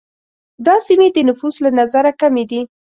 دا سیمې د نفوس له نظره کمي دي.